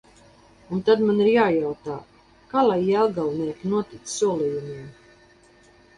Un tad man ir jājautā: kā lai jelgavnieki notic solījumiem?